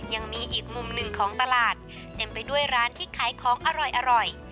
ยังมีอีกมุมหนึ่งของตลาดเต็มไปด้วยร้านที่ขายของอร่อย